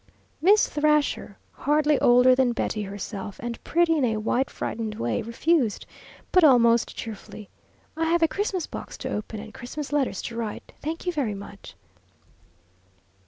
Miss Thrasher, hardly older than Betty herself, and pretty in a white frightened way, refused, but almost cheerfully. "I have a Christmas box to open and Christmas letters to write. Thank you very much."